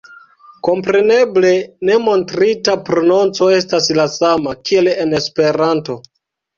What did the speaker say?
Kompreneble, ne montrita prononco estas la sama, kiel en Esperanto.